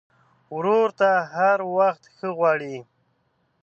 ورور ته هر وخت ښه غواړې.